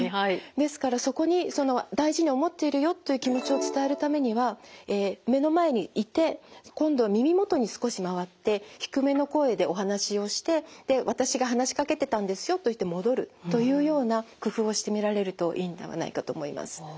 ですからそこに大事に思っているよという気持ちを伝えるためには目の前にいて今度は耳元に少し回って低めの声でお話をしてで私が話しかけてたんですよといって戻るというような工夫をしてみられるといいんではないかと思います。